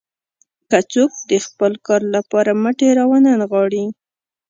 که څوک د خپل کار لپاره مټې راونه نغاړي.